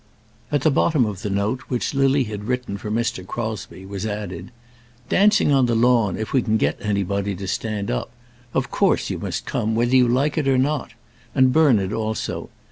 At the bottom of the note which Lily had written for Mr. Crosbie was added: "Dancing on the lawn, if we can get anybody to stand up. Of course you must come, whether you like it or not. And Bernard also.